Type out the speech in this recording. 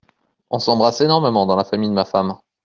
On s’embrasse énormément dans la famille de ma femme !…